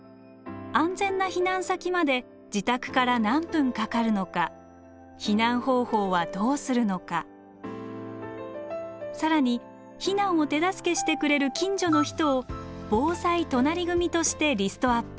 安全な避難先まで自宅から何分かかるのか避難方法はどうするのか更に避難を手助けしてくれる近所の人を「防災となり組」としてリストアップ。